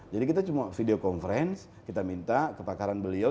kita cuma video conference kita minta kepakaran beliau